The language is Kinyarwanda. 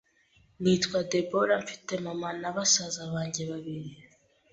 Nitwa Deborah mfite mama na basaza banjye babiri.